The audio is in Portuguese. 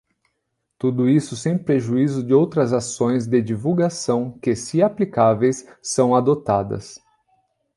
Tudo isso sem prejuízo de outras ações de divulgação que, se aplicáveis, são adotadas.